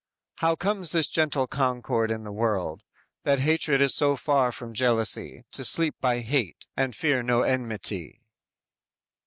_How comes this gentle concord in the world, That hatred is so far from jealousy, To sleep by hate, and fear no enmity."